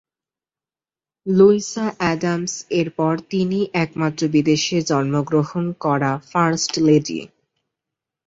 Luisa Adams এর পর তিনিই একমাত্র বিদেশে জন্মগ্রহণ করা ফার্স্ট লেডি।